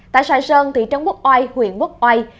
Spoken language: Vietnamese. tại sài sơn thị trấn quốc oai huyện quốc oai